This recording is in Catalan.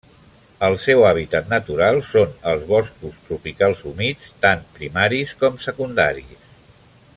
El seu hàbitat natural són els boscos tropicals humits, tant primaris com secundaris.